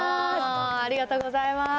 ありがとうございます。